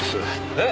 えっ？